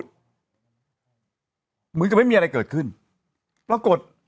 เหมือนกับไม่มีอะไรเกิดขึ้นปรากฏ